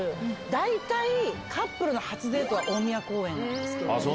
大体カップルの初デートは大宮公園なんですけれども。